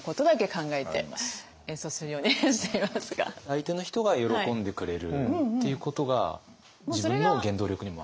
相手の人が喜んでくれるっていうことが自分の原動力にも。